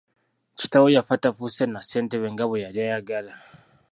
Kitaawe yaffa tafuuse na ssentebe nga bwe yali ayagala.